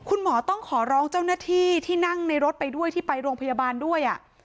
คุณหมอต้องขอร้องเจ้าหน้าที่ที่นั่งในรถไปด้วยที่ไปโรงพยาบาลด้วย